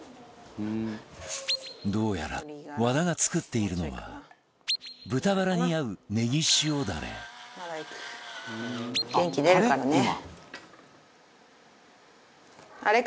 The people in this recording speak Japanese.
どうやら和田が作っているのは豚バラに合うネギ塩ダレ元気出るからね。